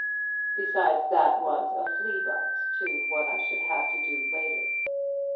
Besides, that was a flea bite to what I should have to do later.